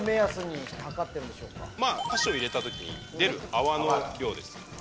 箸を入れた時に出る泡の量ですね。